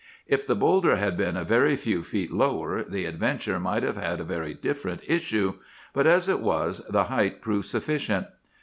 "If the bowlder had been a very few feet lower, the adventure might have had a very different issue. But as it was, the height proved sufficient.